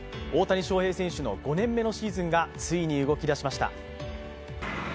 大谷翔平選手の５年目のシーズンがついに動き出しました。